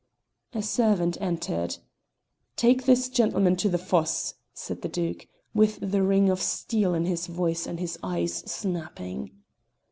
A servant entered. "Take this gentleman to the fosse," said the Duke, with the ring of steel in his voice and his eyes snapping.